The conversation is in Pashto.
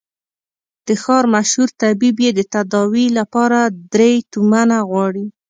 د ښار مشهور طبيب يې د تداوي له پاره درې تومنه غواړي.